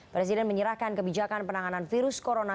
presiden menyerahkan kebijakan penanganan virus corona